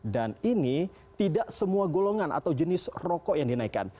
dan ini tidak semua golongan atau jenis rokok yang dinaikkan